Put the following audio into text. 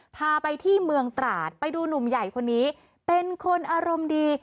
พาไปที่เมืองตราดไปดูหนุ่มใหญ่คนนี้เป็นคนอารมณ์ดี